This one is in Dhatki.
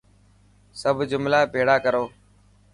سب جملا ڀيٿڙا ڪرو.